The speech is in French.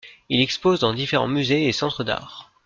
Il expose dans différents musées et centres d’art.